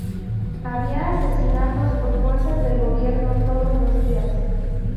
Había asesinatos por fuerzas del gobierno todos los días.